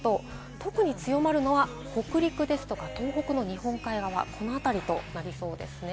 特に強まるのは北陸ですとか東北の日本海側、この辺りとなりそうです。